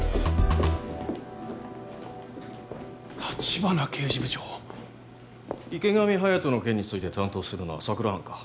立花刑事部長池上隼人の件について担当するのは佐久良班か？